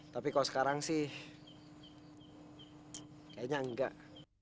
tapi kalau sekarang sih kayaknya enggak